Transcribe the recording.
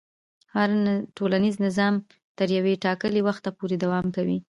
هر ټولنیز نظام تر یو ټاکلي وخته پورې دوام کوي.